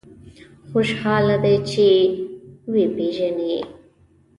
خوشاله دی چې وپېژني.